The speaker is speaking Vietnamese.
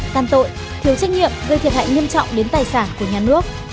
can tội thiếu trách nhiệm gây thiệt hại nghiêm trọng đến tài sản của nhà nước